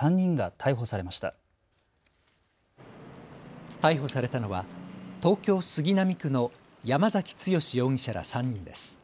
逮捕されたのは東京杉並区の山崎剛容疑者ら３人です。